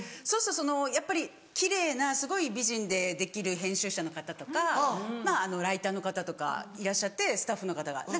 そうするとやっぱり奇麗なすごい美人でできる編集者の方とかライターの方とかいらっしゃってスタッフの方が。